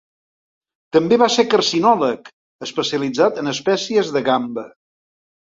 També va ser carcinòleg, especialitzat en espècies de gamba.